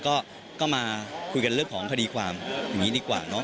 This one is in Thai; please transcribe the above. ก็มาคุยกันเรื่องของคดีความอย่างนี้ดีกว่าเนาะ